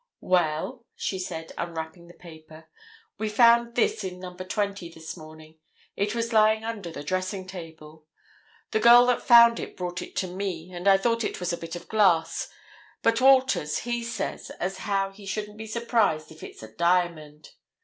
"Well," she said, unwrapping the paper, "we found this in Number 20 this morning—it was lying under the dressing table. The girl that found it brought it to me, and I thought it was a bit of glass, but Walters, he says as how he shouldn't be surprised if it's a diamond.